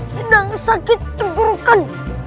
sedang sakit cemburukan